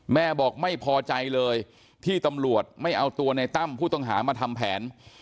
แม่บอกไม่พอใจเลยที่ตำรวจไม่เอาตัวในตั้มผู้ต้องหามาทำแผน